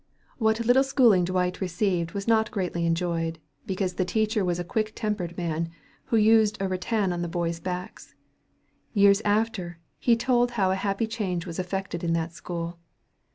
What little schooling Dwight received was not greatly enjoyed, because the teacher was a quick tempered man, who used a rattan on the boys' backs. Years after, he told how a happy change was effected in that school.